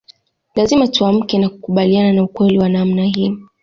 Lazima tuamke na kukubaliana na ukweli wa namna hii